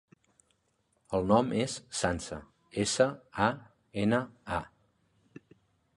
El nom és Sança: essa, a, ena, a.